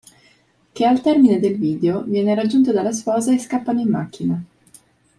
Che al termine del video viene raggiunto dalla sposa e scappano in macchina.